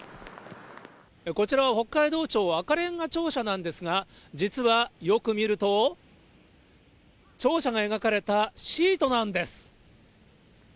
こちらは北海道庁、赤れんが庁舎なんですが、実はよく見ると、庁舎が描かれたシートなんです。